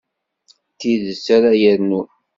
D tidet ara yernun.